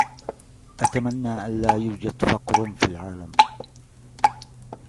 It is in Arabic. أتمنّى أن لا يوجد فقر في العالم.